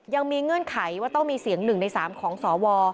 เงื่อนไขว่าต้องมีเสียง๑ใน๓ของสว